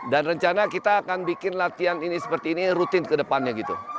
dan rencana kita akan bikin latihan ini seperti ini rutin ke depannya gitu